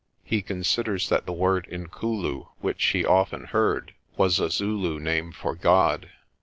He considers that the word "Inkulu," which he often heard, was a Zulu name for God.